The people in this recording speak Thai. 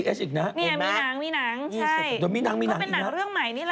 เนี่ยมีหนังมีหนังเดี๋ยวมีหนังมีหนังเป็นหนังเรื่องใหม่นี่แหละ